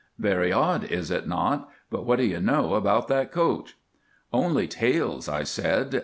Very odd, is it not; but what do you know about that coach?" "Only tales," I said.